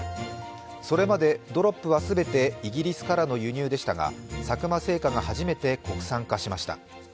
それまでドロップはすべてイギリスからの輸入でしたが佐久間製菓が初めて国産化しました。